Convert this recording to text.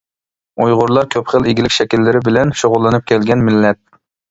ئۇيغۇرلار كۆپ خىل ئىگىلىك شەكىللىرى بىلەن شۇغۇللىنىپ كەلگەن مىللەت.